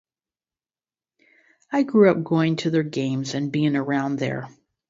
I grew up going to their games and being around there.